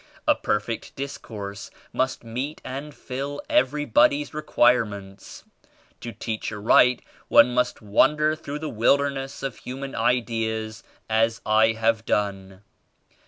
A perfect discourse must meet and fill everybody's requirements. To teach aright one must wander through the wilderness of human ideas as I have done.